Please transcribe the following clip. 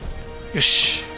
よし。